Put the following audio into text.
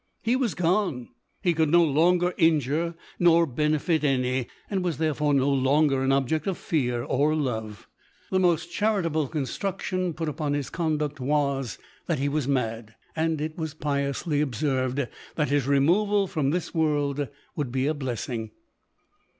He was gone: he could no longer injure nor benefit any, and was therefore no longer an object of fear or love. The most charitable 206 LODORE. construction put upon his conduct was, that he was mad, and it was piously observed, that his removal from this world would be a blessing.